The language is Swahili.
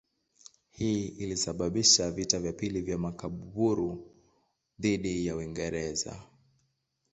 Hii ilisababisha vita vya pili vya Makaburu dhidi ya Uingereza.